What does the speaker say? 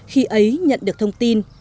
khi ấy nhận được thông tin